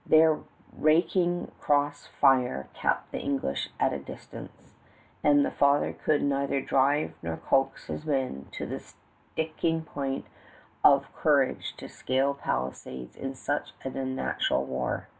Their raking cross fire kept the English at a distance, and the father could neither drive nor coax his men to the sticking point of courage to scale palisades in such an unnatural war.